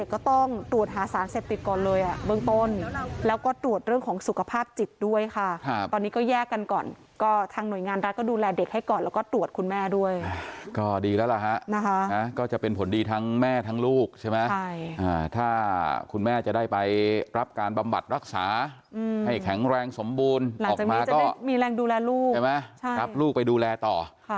กระเตงไปกระเตงมาอย่างนี้ไงเออ